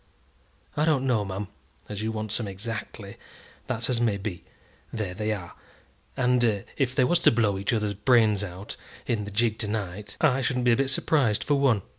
"I don't know, ma'am, as you wants 'em exactly. That's as may be. There they are; and if they was to blow each other's brains out in the gig to night, I shouldn't be a bit surprised for one.